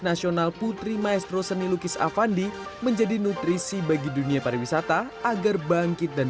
nasional putri maestro seni lukis avandi menjadi nutrisi bagi dunia pariwisata agar bangkit dan